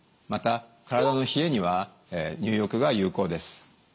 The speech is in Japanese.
また体の冷えには入浴が有効です。